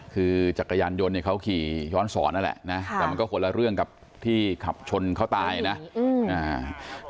คือจักรยานยนต์เนี่ยเขาขี่ย้อนสอนนั่นแหละนะแต่มันก็คนละเรื่องกับที่ขับชนเขาตายนะอืมอ่า